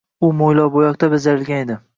U moybo‘yoqda bajarilgan edi.